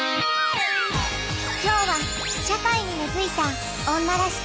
きょうは社会に根づいた「女らしさ」